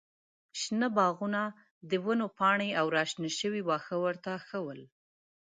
شنه باغونه، د ونو پاڼې او راشنه شوي واښه ورته ښه ول.